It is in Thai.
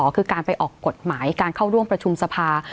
คือการไปออกกฎหมายการเข้าร่วมประชุมสภา